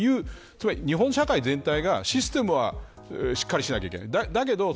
つまり、日本社会全体がシステムはしっかりしないといけない。